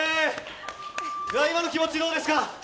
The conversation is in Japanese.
今の気持ち、どうですか？